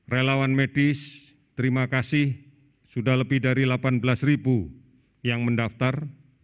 relawan medis terima kasih sudah lebih dari delapan belas ribu yang mendaftar